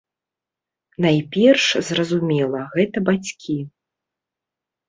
Найперш, зразумела, гэта бацькі.